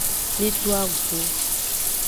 Mi to agu.